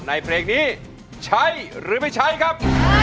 ในเพลงนี้ใช้หรือไม่ใช้ครับ